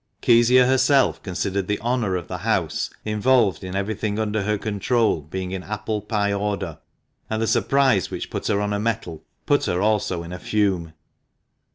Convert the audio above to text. Kezia herself considered the honour of the house involved in everything under her control being " in apple pie order ;" and the surprise which put her on her mettle, put her also in a fume.